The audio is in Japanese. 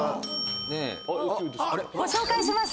ご紹介します。